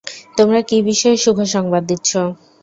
তোমরা কী বিষয়ে শুভ সংবাদ দিচ্ছ?